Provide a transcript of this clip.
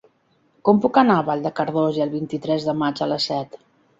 Com puc anar a Vall de Cardós el vint-i-tres de maig a les set?